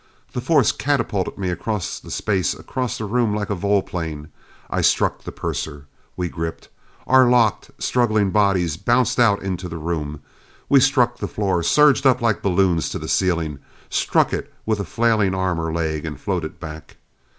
The force catapulted me across the space across the room like a volplane. I struck the purser. We gripped. Our locked, struggling bodies bounced out into the room. We struck the floor, surged up like balloons to the ceiling, struck it with a flailing arm or leg and floated back.